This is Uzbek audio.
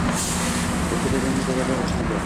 Oʻlkada jangu jadallar boshlandi